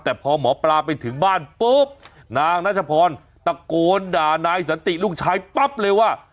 แต่พอหมอปลาไปถึงบ้านปุ๊บนางนัชพรตะโกนด่านายสันติลูกชายปั๊บเลยว่า